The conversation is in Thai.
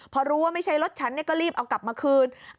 พอรู้ว่าไม่ใช่รถฉันก็รีบเอากลับมาคืน